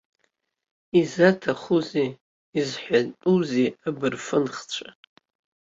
Изаҭахузеи, изҳәатәузеи абырфын хцәы.